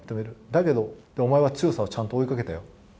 だけど、お前は強さをちゃんと追いかけたよ。